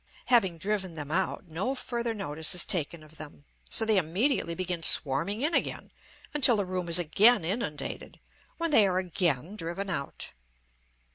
Having driven them out, no further notice is taken of them, so they immediately begin swarming in again, until the room is again inundated, when they are again driven out.